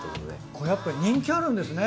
これやっぱ人気あるんですね。